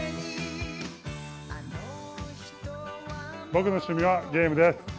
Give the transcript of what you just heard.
僕の趣味はゲームです。